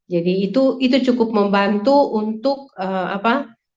jadi itu cukup membantu untuk apa